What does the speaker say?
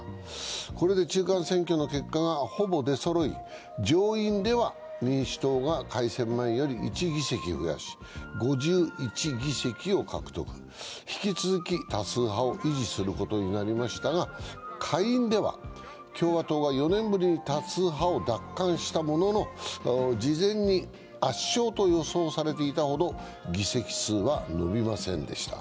これで中間選挙の結果がほぼ出そろい上院では民主党が改選前より１議席増やし５１議席を獲得、引き続き多数派を維持することになりましたが、下院では共和党が４年ぶりに多数派を奪還したものの事前に圧勝と予想されていたほど議席数は伸びませんでした。